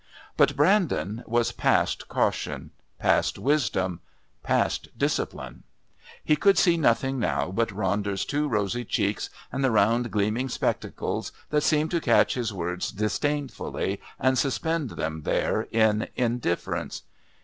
But Brandon was past caution, past wisdom, past discipline. He could see nothing now but Ronder's two rosy cheeks and the round gleaming spectacles that seemed to catch his words disdainfully and suspend them there in indifference.